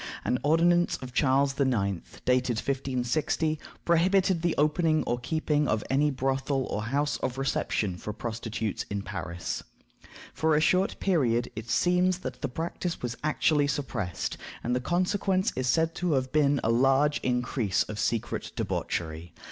An ordinance of Charles IX., dated 1560, prohibited the opening or keeping of any brothel or house of reception for prostitutes in Paris. For a short period it seems that the practice was actually suppressed, and the consequence is said to have been a large increase of secret debauchery.